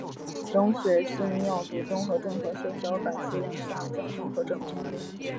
溶血性尿毒综合征和血小板数量下降综合征。